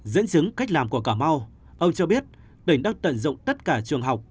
dẫn chứng cách làm của cả mau ông cho biết tỉnh đã tận dụng tất cả trường học